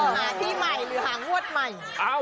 หาที่ใหม่หรือหางวดใหม่